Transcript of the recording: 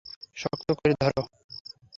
শক্ত করে ধরো।